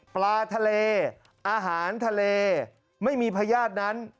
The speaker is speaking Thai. ปลาทะเลอาหารทะเลไม่มีพญาตินั้น